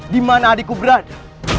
dimana adikku berada